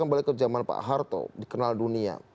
kembali ke zaman pak harto dikenal dunia